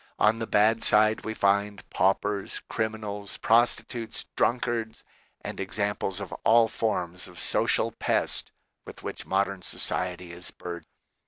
On the bad side we find paupers, criminals, prostitutes, drunk ards, and examples of all forms of social pest with which modern society is burdened.